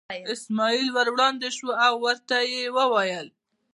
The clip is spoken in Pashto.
اسماعیل ور وړاندې شو او ورته یې وویل.